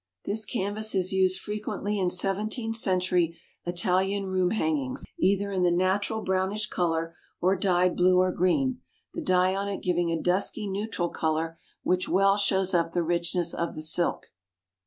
This canvas is used frequently in seventeenth century Italian room hangings, either in the natural brownish colour, or dyed blue or green, the dye on it giving a dusky neutral colour which well shows up the richness of the silk.